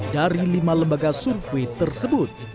dari lima lembaga survei tersebut